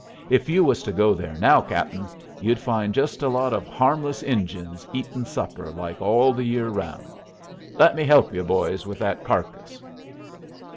If you was to go there now, cap'n, you'd find just a lot of harmless Injuns eatin' supper like all the year round. Let me help you, boys, with that carcass."